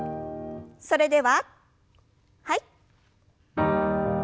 それでははい。